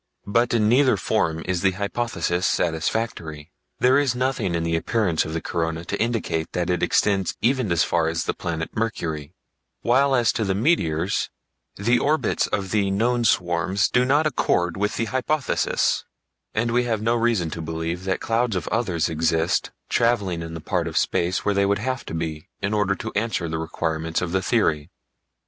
But in neither form is the hypothesis satisfactory; there is nothing in the appearance of the corona to indicate that it extends even as far as the planet Mercury, while as to meteors, the orbits of the known swarms do not accord with the hypothesis, and we have no reason to believe that clouds of others exist traveling in the part of space where they would have to be in order to answer the requirements of the theory.